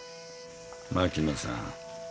槙野さん。